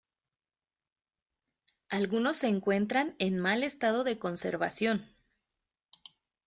Algunos se encuentran en mal estado de conservación.